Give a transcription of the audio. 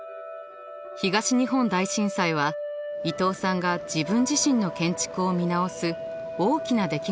東日本大震災は伊東さんが自分自身の建築を見直す大きな出来事でした。